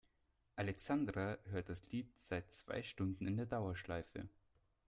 Alexandra hört das Lied seit zwei Stunden in Dauerschleife.